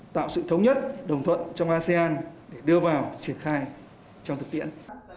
tạo sự thống nhất đồng thuận trong asean để đưa vào triển khai trong thực tiễn